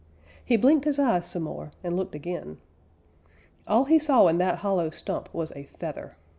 He blinked his eyes some more and looked again. All he saw in that hollow stump was a feather.